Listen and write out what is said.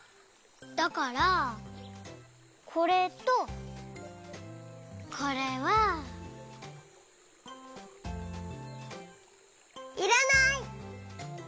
だからこれとこれは。いらない！